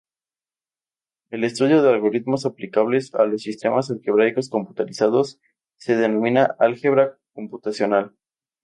El estudio de algoritmos aplicables a los sistemas algebraicos computarizados se denomina álgebra computacional.